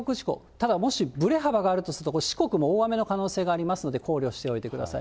ただもしぶれ幅があるとすると、四国も大雨の可能性がありますんで、考慮しておいてください。